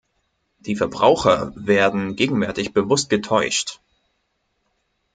Die Verbraucher werden gegenwärtig bewusst getäuscht.